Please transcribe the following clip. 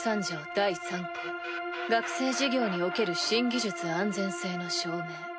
第３項学生事業における新技術安全性の証明」。